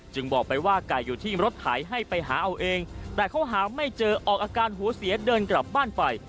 บอกไปว่าไก่อยู่ที่รถไถให้ไปหาเอาเองแต่เขาหาไม่เจอออกอาการหัวเสียเดินกลับบ้านไป